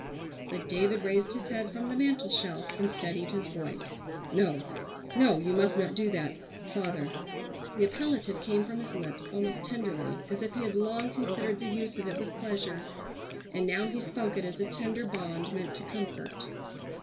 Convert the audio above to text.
But David raised his head from the mantel shelf and steadied his voice: "No, no, you must not do that—father—" the appellative came from his lips almost tenderly, as if he had long considered the use of it with pleasure, and now he spoke it as a tender bond meant to comfort.